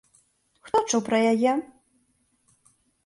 Хто чуў пра яе?